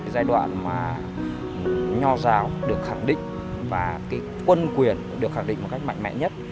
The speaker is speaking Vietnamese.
giai đoạn mà nho giáo được khẳng định và quân quyền được khẳng định một cách mạnh mẽ nhất